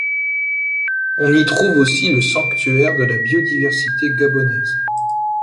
On y trouve aussi le sanctuaire de la biodiversité gabonaise.